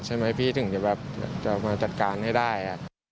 ใช่ไหมพี่ถึงจะแบบจะมาจัดการให้ได้